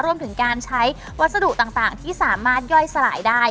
รวมถึงการใช้วัสดุต่างที่สามารถย่อยสลายได้